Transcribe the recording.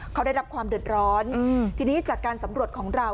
เขาได้รับความเดือดร้อนทีนี้จากการสำรวจของเรา